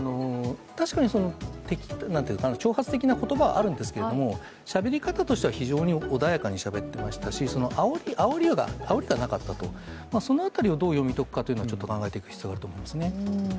確かに、挑発的な言葉はあるんですけどしゃべり方としては非常に穏やかにしゃべっていましたしあおりがなかったと、その辺りをどう読み解くか、考えていく必要があると思いますね。